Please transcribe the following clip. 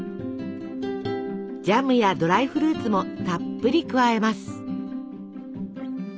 ジャムやドライフルーツもたっぷり加えます。